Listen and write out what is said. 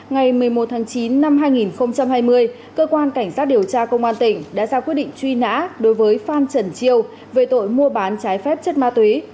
ngày một mươi một tháng chín năm hai nghìn hai mươi cơ quan cảnh sát điều tra công an tỉnh đã ra quyết định truy nã đối với phan trần triều về tội mua bán trái phép chất ma túy